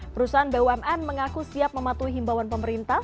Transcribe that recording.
perusahaan bumn mengaku siap mematuhi himbawan pemerintah